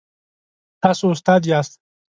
تاسو استاد یاست؟